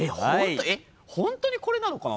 ホントにこれなのかな！？